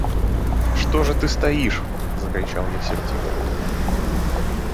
«Что же ты стоишь!» – закричал я сердито.